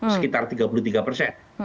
sekitar tiga puluh tiga persen